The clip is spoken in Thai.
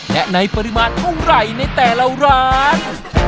และในปริมาณเท่าไหร่ในแต่ละร้าน